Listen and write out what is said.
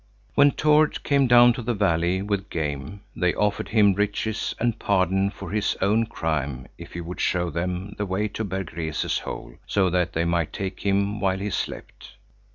When Tord came down to the valley with game, they offered him riches and pardon for his own crime if he would show them the way to Berg Rese's hole, so that they might take him while he slept.